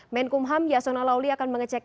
menkumham yasona lawli akan mengecek